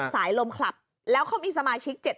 สายลมคลับแล้วเขามีสมาชิก๗๐